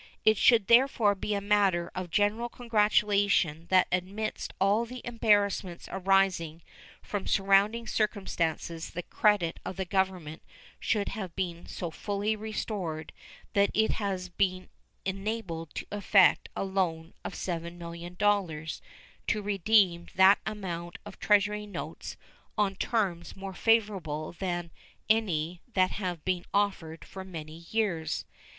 It should therefore be a matter of general congratulation that amidst all the embarrassments arising from surrounding circumstances the credit of the Government should have been so fully restored that it has been enabled to effect a loan of $7,000,000 to redeem that amount of Treasury notes on terms more favorable than any that have been offered for many years.